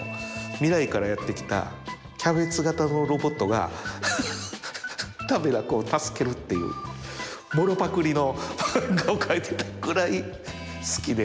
未来からやって来たキャベツ型のロボットが助けるっていうもろパクリの漫画を描いてたぐらい好きで。